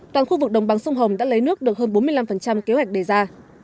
toàn khu vực đồng bằng sông hồng đã lấy nước được hơn bốn mươi năm kế hoạch đề ra